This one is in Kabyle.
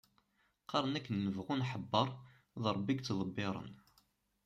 Qqaren akken nebɣu nḥebbeṛ, d Rebbi i yettḍebbiren.